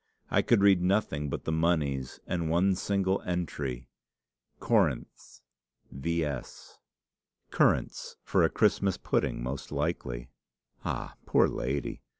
I could read nothing but the moneys and one single entry 'Corinths, Vs.' "Currants for a Christmas pudding, most likely! Ah, poor lady!